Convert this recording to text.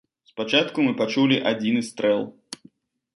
Спачатку мы пачулі адзіны стрэл.